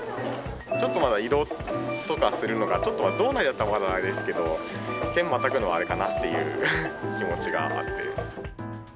ちょっとまだ移動とかするのが、ちょっと、道内だったらまだあれですけど、県をまたぐのはあれかなという気持ちがあって。